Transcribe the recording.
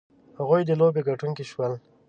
هغوی د لوبې ګټونکي شول.